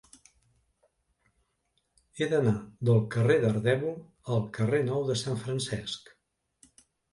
He d'anar del carrer d'Ardèvol al carrer Nou de Sant Francesc.